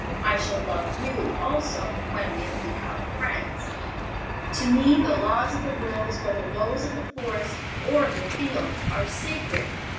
I shall love you, also, when we have become friends. To me the laws of the Ryls, whether those of the Forest or of the field, are sacred.